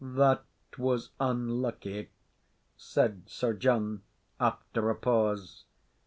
"That was unlucky," said Sir John, after a pause.